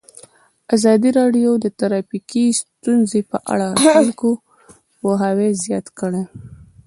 ازادي راډیو د ټرافیکي ستونزې په اړه د خلکو پوهاوی زیات کړی.